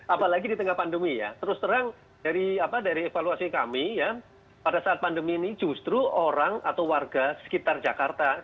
apalagi di tengah pandemi ya terus terang dari evaluasi kami ya pada saat pandemi ini justru orang atau warga sekitar jakarta